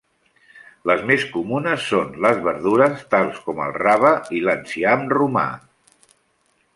Les més comunes són les verdures tals com el rave i l'enciam romà.